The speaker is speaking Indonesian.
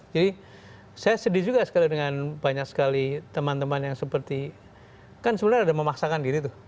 jadi saya sedih juga sekali dengan banyak sekali teman teman yang seperti kan sebenarnya ada yang memaksakan diri tuh